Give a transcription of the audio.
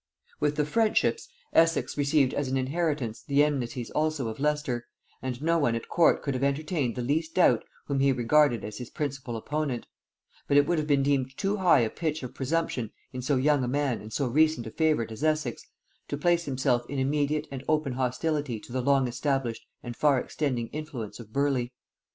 With the friendships, Essex received as an inheritance the enmities also of Leicester, and no one at court could have entertained the least doubt whom he regarded as his principal opponent; but it would have been deemed too high a pitch of presumption in so young a man and so recent a favorite as Essex, to place himself in immediate and open hostility to the long established and far extending influence of Burleigh.